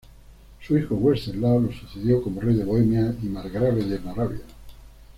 Su hijo Wenceslao lo sucedió como rey de Bohemia y margrave de Moravia.